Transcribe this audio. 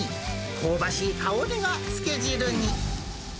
香ばしい香りがつけ汁に。